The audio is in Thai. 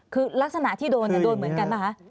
คือลักษณะที่โดนโดนเหมือนกันป่ะคะ